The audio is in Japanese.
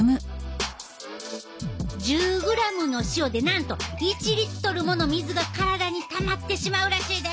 １０グラムの塩でなんと１リットルもの水が体にたまってしまうらしいで。